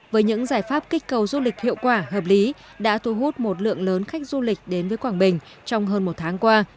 với những giải pháp kích cầu du lịch hiệu quả hợp lý đã thu hút một lượng lớn khách du lịch đến với quảng bình trong hơn một tháng qua